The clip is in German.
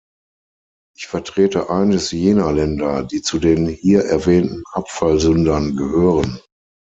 Ich vertrete eines jener Länder, die zu den hier erwähnten Abfallsündern gehören.